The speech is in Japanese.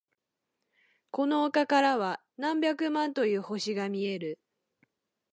この丘からは何百万という星が見える。